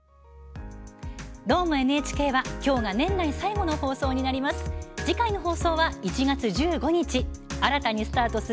「どーも、ＮＨＫ」は今日が年内最後の放送になります。